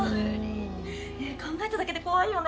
考えただけで怖いよね。